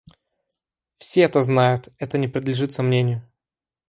Все это знают; это не подлежит сомнению.